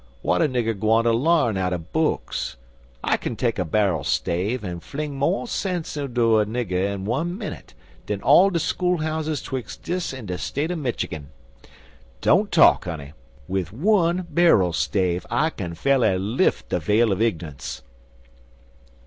W'at a nigger gwineter larn outen books? I kin take a bar'l stave an' fling mo' sense inter a nigger in one minnit dan all de schoolhouses betwixt dis en de State er Midgigin. Don't talk, honey! Wid one bar'l stave I kin fa'rly lif' de vail er ignunce."